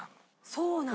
そうなんだ。